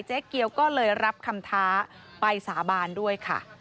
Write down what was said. เจ๊เกียวก็เลยรับคำท้าไปสาบานด้วยค่ะ